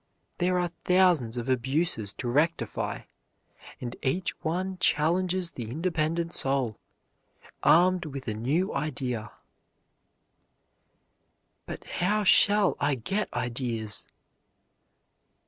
There are thousands of abuses to rectify, and each one challenges the independent soul, armed with a new idea. "But how shall I get ideas?"